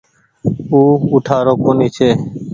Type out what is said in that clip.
او اُٺآرو ڪونيٚ ڇي۔